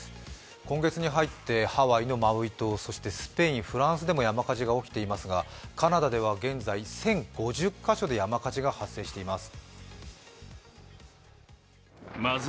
今月に入ってハワイのマウイ島、そしてスペイン、フランスでも山火事が起きていますがカナダでは現在１５００か所で山火事が発生しています。